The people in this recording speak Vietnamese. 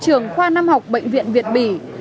trường khoa năm học bệnh viện việt bỉ